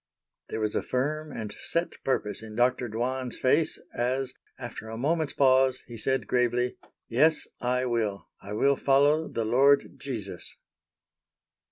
There was a firm and set purpose in Dr. Dwan's face as, after a moment's pause, he said gravely: "Yes, I will, I will follow the Lord Jesus."